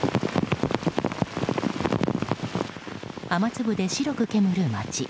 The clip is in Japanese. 雨粒で白く煙る街。